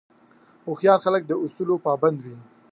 هوښیار خلک د اصولو پابند وي.